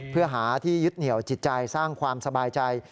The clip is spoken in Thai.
เพื่อหาที่ยึดเหนียวจิตใจสร้างความสบายใจ